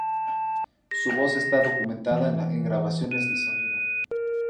Su voz está documentada en grabaciones de sonido.